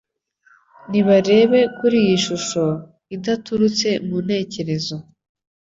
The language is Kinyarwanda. Nibarebe kuri iyi shusho, idaturutse mu ntekerezo.